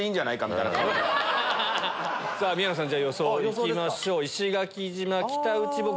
宮野さん予想いきましょう。